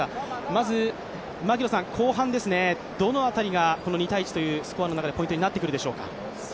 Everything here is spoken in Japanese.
まず、後半どの辺りが２−１というスコアの中でポイントになってくるでしょうか。